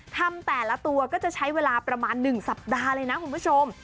ทำแต่ละตัวก็จะใช้เวลาประมาณ๑สัปดาห์เลยนะคุณผู้ชม